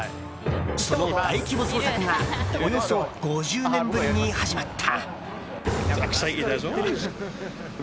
その大規模捜索がおよそ５０年ぶりに始まった。